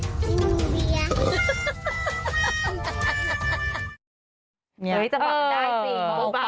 งั้นจะวิจักษะได้สิ